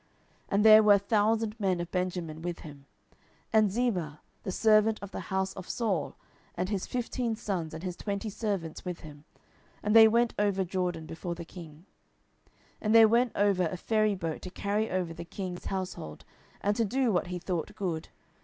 10:019:017 And there were a thousand men of Benjamin with him, and Ziba the servant of the house of Saul, and his fifteen sons and his twenty servants with him; and they went over Jordan before the king. 10:019:018 And there went over a ferry boat to carry over the king's household, and to do what he thought good.